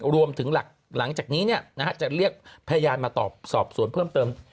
รวมถึงหลังจากนี้จะเรียกพยานมาสอบสวนเพิ่มเติม